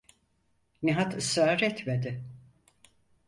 Nihat ısrar etmedi.